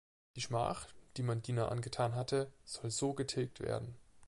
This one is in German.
Die Schmach, die man Dina angetan hatte, soll so getilgt werden.